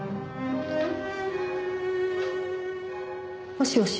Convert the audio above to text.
もしもし。